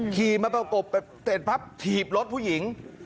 ขี่มาประกบเสร็จปั๊บถีบรถผู้หญิง